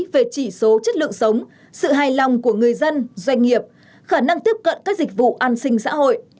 về chỉ số chất lượng sống sự hài lòng của người dân doanh nghiệp khả năng tiếp cận các dịch vụ an sinh xã hội